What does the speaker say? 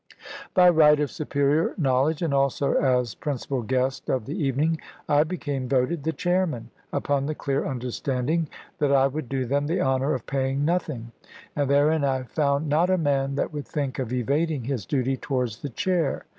By right of superior knowledge, and also as principal guest of the evening, I became voted the chairman, upon the clear understanding that I would do them the honour of paying nothing; and therein I found not a man that would think of evading his duty towards the chair.